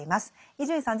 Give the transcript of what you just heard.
伊集院さん